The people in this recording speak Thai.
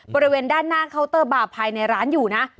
บริเวณด้านหน้าเคาน์เตอร์บาร์ภายในร้านอยู่นะ